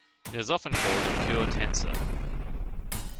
It is often called a pure tensor.